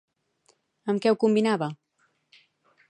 Amb què ho combinava?